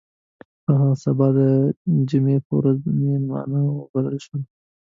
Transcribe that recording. په هغه سبا د جمعې په ورځ میلمانه وبلل شول.